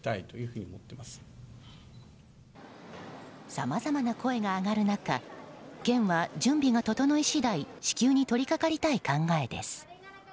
さまざまな声が上がる中県は準備が整い次第支給に取りかかりたい考えです。